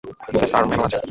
Mrs টারম্যানও আছেন।